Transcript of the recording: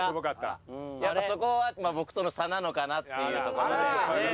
やっぱそこは僕との差なのかなっていうところで。